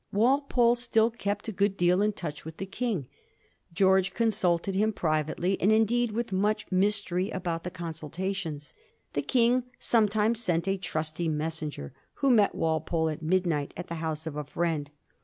Walpole still kept a good deal in touch with the King. George consulted him privately, and indeed with much mystery about the consultations. The King sometimes sent a trusty messenger, who met Walpole at midnight at the house of a friend.